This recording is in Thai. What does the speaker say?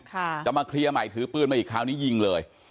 จะมาเคลียร์ใหม่ถือปืนมาอีกคราวนี้ยิงเลย